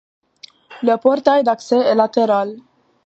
Le portail d'accès est latéral.